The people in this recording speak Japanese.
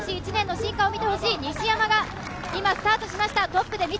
今年１年の進化を見せてほしい西山が今、トップで通過しました。